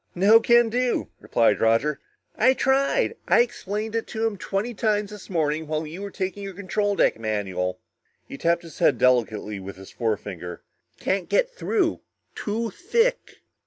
"No can do," replied Roger. "I tried. I explained it to him twenty times this morning while you were taking your control deck manual." He tapped his head delicately with his forefinger. "Can't get through too thick!"